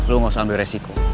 lu gak usah ambil resiko